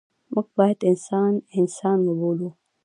موږ باید انسان انسان وبولو.